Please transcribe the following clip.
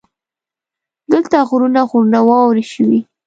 دلته غرونه غرونه واورې شوي.